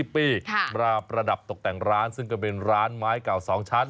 ปีมาประดับตกแต่งร้านซึ่งก็เป็นร้านไม้เก่า๒ชั้น